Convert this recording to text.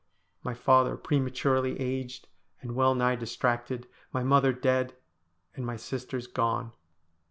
My father prematurely aged and well nigh distracted, my mother dead, and my sisters gone.